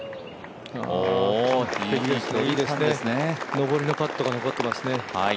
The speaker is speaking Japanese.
上りのパットが残ってますね。